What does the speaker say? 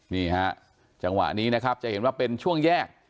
นี่ฮะจังหวะนี้นะครับจะเห็นว่าเป็นช่วงแยก